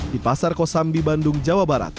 di pasar kosambi bandung jawa barat